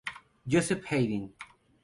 Joseph Haydn.